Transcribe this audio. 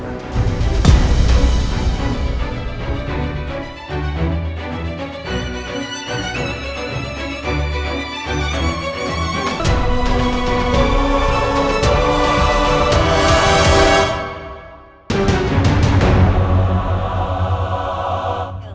ketemu dengan ibu sarah